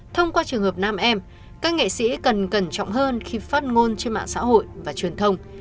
thông qua trường hợp nam em các nghệ sĩ cần cẩn trọng hơn khi phát ngôn trên mạng xã hội và truyền thông